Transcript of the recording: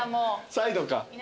サイドか。